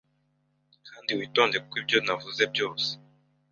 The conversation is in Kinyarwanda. Kandi witonde kuko ibyo navuze byose